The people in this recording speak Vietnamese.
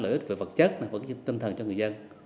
những cái kết quả lợi ích về vật chất tinh thần cho người dân